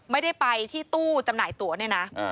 ไม่ได้ไปที่ตู้จำหน่ายตัวเนี่ยนะ